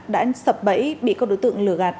đã sập bẫy bị con đối tượng lửa gạt